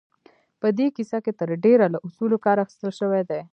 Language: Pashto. په دې کيسه کې تر ډېره له اصولو کار اخيستل شوی دی.